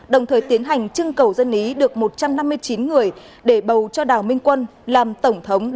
đồng thời tiến hành trưng cầu dân ý được một trăm năm mươi chín người để bầu cho đào minh quân